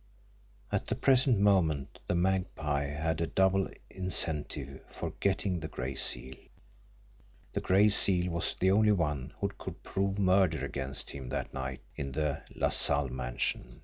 At the present moment the Magpie had a double incentive for "getting" the Gray Seal the Gray Seal was the only one who could prove murder against him that night in the LaSalle mansion.